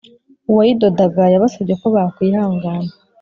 uwayidodaga yabasabye ko bakwihangana